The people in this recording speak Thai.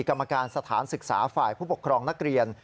กรรมการสถานศึกษาฝ่ายผู้ปกครองนักเรียน